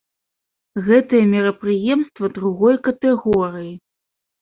Гэтае мерапрыемства другой катэгорыі.